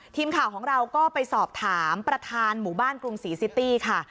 ทีมข่าวของเราก็ไปสอบถามประธานหมู่บ้านกรุงศรีซิตี้ค่ะ